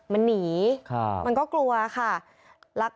มันหนีมันก็กลัวค่ะ